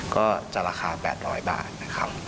ก็จะราคา๘๐๐บาทนะครับ